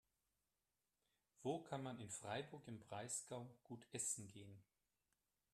Wo kann man in Freiburg im Breisgau gut essen gehen?